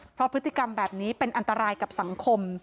เพราะพฤติกรรมแบบนี้เป็นอันตรายกับสังคม